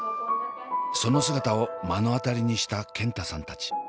その姿を目の当たりにした健太さんたち。